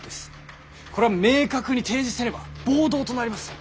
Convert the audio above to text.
これを明確に提示せねば暴動となりますぞ。